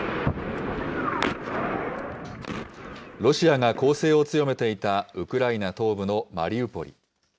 ロシアが攻勢を強めていたウクライナ東部のマリウポリ。